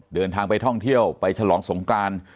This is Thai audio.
เดินทางไปท่องเที่ยวไปฉลองสงการ